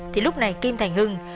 thì lúc này kim thành hưng